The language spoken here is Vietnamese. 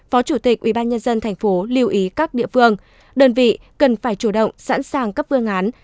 phó chủ tịch ubnd tp lưu ý các địa phương đơn vị cần phải chủ động sẵn sàng cấp vương án